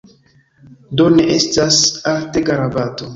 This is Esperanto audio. Do ne estas altega rabato.